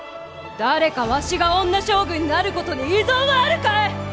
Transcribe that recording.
誰かわしが女将軍になることに異存はあるかえ！